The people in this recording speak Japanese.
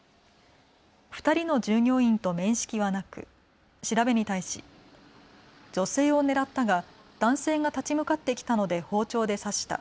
２人の従業員と面識はなく調べに対し女性を狙ったが男性が立ち向かってきたので包丁で刺した。